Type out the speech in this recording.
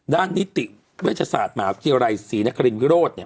ด้านนิติวิทยาศาสตร์หมาวิทยาลัยศรีนักริมวิโรธเนี่ย